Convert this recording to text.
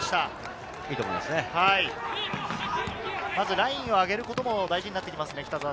ラインをあげることも大事になってきますよね。